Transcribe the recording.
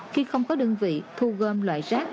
khi không có đơn vị thu gom loại rác